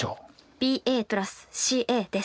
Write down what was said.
ＢＡ＋ＣＡです。